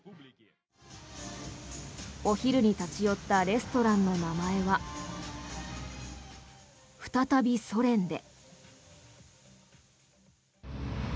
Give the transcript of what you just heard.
お昼に立ち寄ったレストランの名前は「再びソ連で」。